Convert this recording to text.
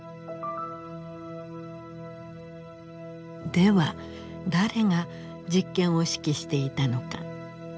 では誰が実験を指揮していたのか。